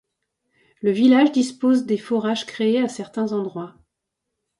Le village dispose des forages créés à certains endroits.